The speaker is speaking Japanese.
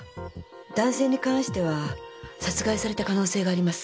男性に関しては殺害された可能性があります。